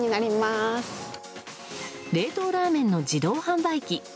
冷凍ラーメンの自動販売機。